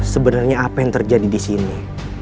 sebenarnya apa yang terjadi disini